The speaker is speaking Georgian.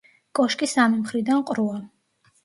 კოშკი სამი მხრიდან ყრუა.